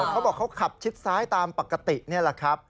เขาบอกเขาขับชิดซ้ายตามปกตินี่แหละครับ